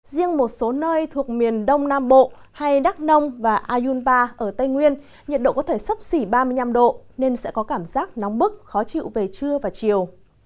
riêng một số nơi thuộc miền đông nam bộ hay đắk nông và ayunpa ở tây nguyên nhiệt độ có thể sấp xỉ ba mươi năm độ nên sẽ có cảm giác nóng bức khó chịu về trưa và chiều